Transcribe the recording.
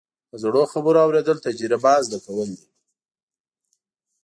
د زړو خبرو اورېدل، تجربه زده کول دي.